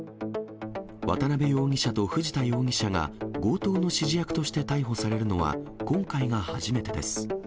渡辺容疑者と藤田容疑者が強盗の指示役として逮捕されるのは今回が初めてです。